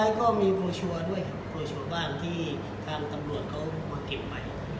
ทิ้งไว้ก็มีโปรชัวร์ด้วยครับโปรชัวร์บ้านที่ทางตำรวจเขามาเก็บไป